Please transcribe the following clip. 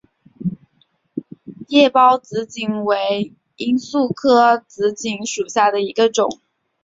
叶苞紫堇为罂粟科紫堇属下的一个种。